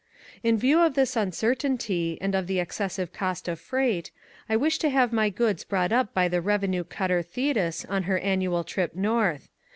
In view of this uncertainty and of the exces sive cost of freight, I wish to have my goods brought up bj' the revenue cutter Thetis on her annual trip north.